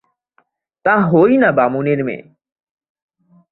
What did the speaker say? তা হই না বামুনের মেয়ে।